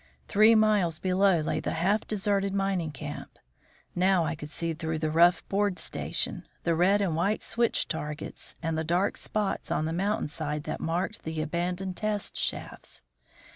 Three miles below lay the half deserted mining camp; now I could see the rough board station, the red and white switch targets, and the dark spots on the mountain side that marked the abandoned test shafts.